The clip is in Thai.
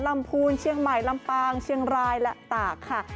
พูนเชียงใหม่ลำปางเชียงรายและตากค่ะ